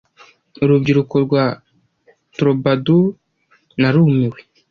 urubyiruko rwa troubadour narumiwe